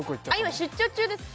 今出張中です